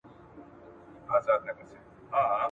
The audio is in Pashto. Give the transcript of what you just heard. چي له هري خوا یې ګورم توري شپې توري تیارې وي !.